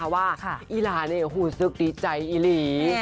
ว่าอีลาถูกดีใจอลี